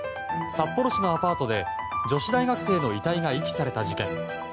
札幌市のアパートで女子大学生の遺体が遺棄された事件。